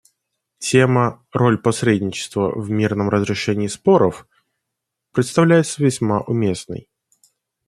Тема «Роль посредничества в мирном разрешении споров» представляется весьма уместной.